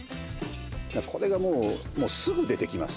これがもうすぐ出てきます